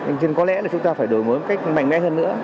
nên có lẽ chúng ta phải đổi mới một cách mạnh ngay hơn nữa